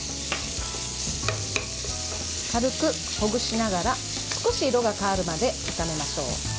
軽くほぐしながら少し色が変わるまで炒めましょう。